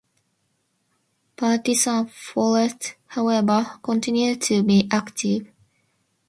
Partisan forces, however, continued to be active.